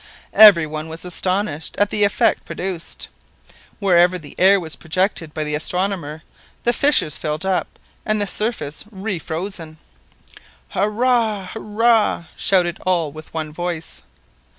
Every one was astonished at the effect produced. Wherever the air was projected by the astronomer, the fissures filled up, and the surface re froze. "Hurrah! hurrah!" shouted all with one voice.